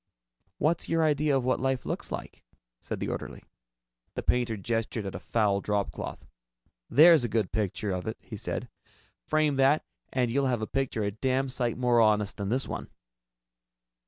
"What's your idea of what life looks like?" said the orderly. The painter gestured at a foul dropcloth. "There's a good picture of it," he said. "Frame that, and you'll have a picture a damn sight more honest than this one."